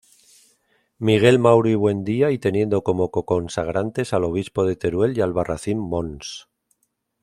Miguel Maury Buendía y teniendo como co-consagrantes al obispo de Teruel y Albarracín Mons.